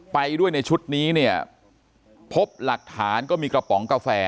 ไปด้วยในชุดนี้เนี่ยพบหลักฐานก็มีกระป๋องกาแฟ